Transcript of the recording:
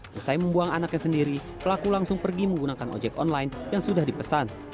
setelah membuang anaknya sendiri pelaku langsung pergi menggunakan ojek online yang sudah dipesan